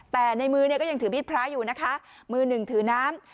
แต่ในมือเนี่ยก็ยังถือบิดพระอยู่นะคะมือหนึ่งถือน้ำ